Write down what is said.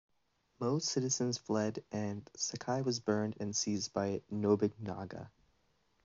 Most citizens fled and Sakai was burned and seized by Nobunaga.